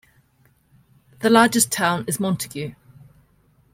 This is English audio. The largest town is Montague.